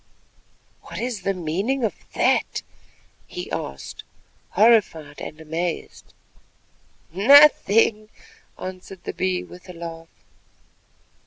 "What is the meaning of that?" he asked, horrified and amazed. "Nothing," answered the Bee with a laugh.